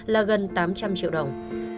là gần tám trăm linh triệu đồng